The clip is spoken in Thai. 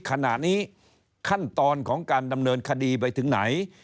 ขณะนี้ขั้นตอนของการดำเนินคดีไปถึงไหน